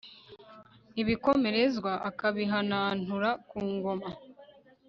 ibikomerezwa akabihanantura ku ngoma